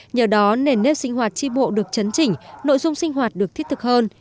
nhờ đó nền nếp sinh hoạt tri bộ được chấn chỉnh nội dung sinh hoạt được thiết thực hơn